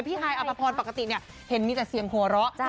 ฮายอภพรปกติเนี่ยเห็นมีแต่เสียงหัวเราะ